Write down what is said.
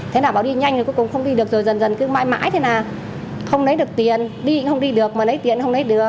thế nào bão đi nhanh thì cuối cùng không đi được rồi dần dần cứ mãi mãi thế nào không lấy được tiền đi cũng không đi được mà lấy tiền không lấy được